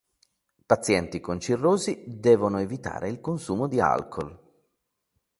Pazienti con cirrosi devono evitare il consumo di alcool.